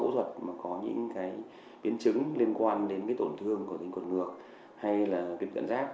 phẫu thuật mà có những biến chứng liên quan đến tổn thương của thần kinh quạt ngược hay là tuyến cận giáp